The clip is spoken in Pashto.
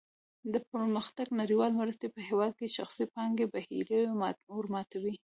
د پرمختګ نړیوالې مرستې په هېواد کې د شخصي پانګې بهیر ورماتوي.